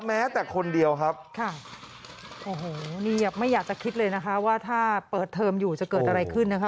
แม้แต่คนเดียวครับค่ะโอ้โหนี่ไม่อยากจะคิดเลยนะคะว่าถ้าเปิดเทอมอยู่จะเกิดอะไรขึ้นนะคะ